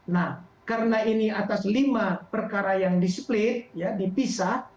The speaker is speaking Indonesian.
nah karena ini atas lima perkara yang disiplin dipisah